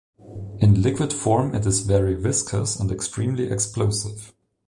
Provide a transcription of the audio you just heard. In liquid form it is very viscous and extremely explosive.